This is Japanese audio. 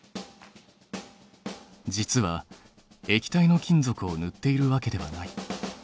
実は液体の金属をぬっているわけではない。